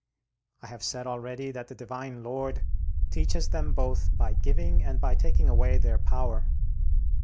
I have said already that the Divine Lord teaches them both by giving and by taking away their power.